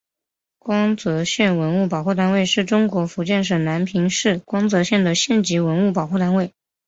光泽县文物保护单位是中国福建省南平市光泽县的县级文物保护单位。